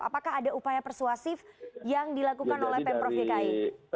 apakah ada upaya persuasif yang dilakukan oleh pemprov dki